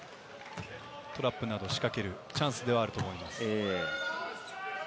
トラップなどを仕掛けるチャンスではあると思います。